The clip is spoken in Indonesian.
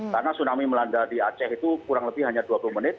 karena tsunami melanda di aceh itu kurang lebih hanya dua puluh menit